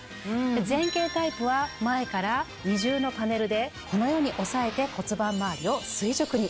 前傾タイプは前から二重のパネルでこのように押さえて骨盤周りを垂直に。